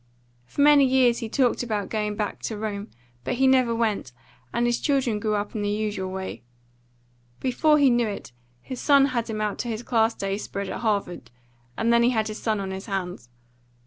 For many years he talked about going back to Rome, but he never went, and his children grew up in the usual way. Before he knew it his son had him out to his class day spread at Harvard, and then he had his son on his hands.